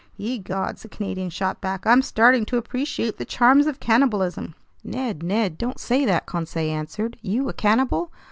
"Ye gods," the Canadian shot back, "I'm starting to appreciate the charms of cannibalism!" "Ned, Ned! Don't say that!" Conseil answered. "You a cannibal?